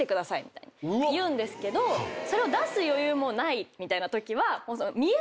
言うんですけどそれを出す余裕もないみたいなときは。